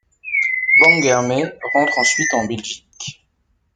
Wangermée rentre ensuite en Belgique.